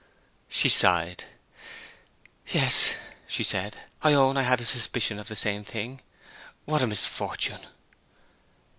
She sighed. 'Yes,' she said. 'I own I had a suspicion of the same thing. What a misfortune!'